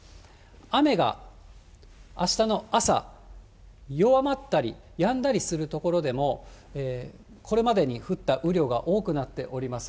雨が、あしたの朝、弱まったり、やんだりする所でも、これまでに降った雨量が多くなっております。